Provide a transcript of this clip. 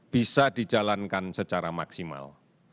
bisa dijalankan secara maksimal